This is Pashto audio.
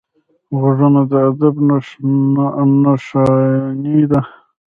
غوږونه د ادب نښانې دي